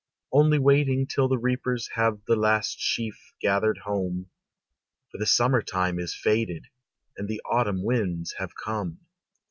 Only waiting till the reapers Have the last sheaf gathered home, For the summer time is faded, And the autumn winds have come.